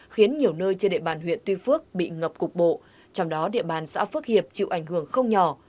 khiến nhiều nơi trên địa bàn huyện tuy phước bị ngập cục bộ trong đó địa bàn xã phước hiệp chịu ảnh hưởng không nhỏ